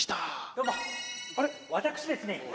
どうも私ですね